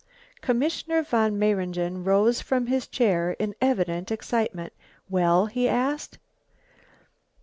Commissioner von Mayringen rose from his chair in evident excitement. "Well?" he asked.